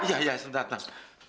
iya iya sebentar